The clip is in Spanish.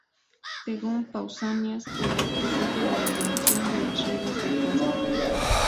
Según Pausanias, se le atribuye la invención de las redes de caza.